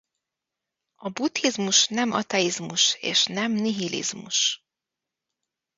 A buddhizmus nem ateizmus és nem nihilizmus.